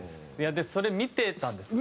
でそれ見てたんですよ。